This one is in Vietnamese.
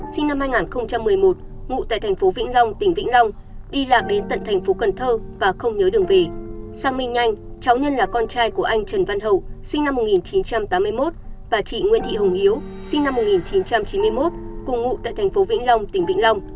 sinh năm hai nghìn một mươi một ngụ tại thành phố vĩnh long tỉnh vĩnh long đi lạc đến tận thành phố cần thơ và không nhớ đường về